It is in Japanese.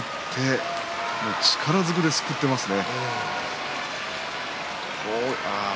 左からすくって力ずくですくっていますね。